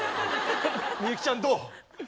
みゆきちゃんどう？